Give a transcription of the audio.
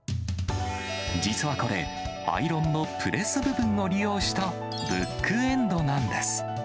実はこれ、アイロンのプレス部分を利用したブックエンドなんです。